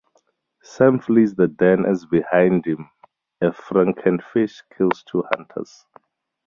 Sam flees the den as behind him a frankenfish kills two hunters.